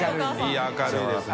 い明るいですね。